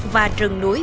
và rừng núi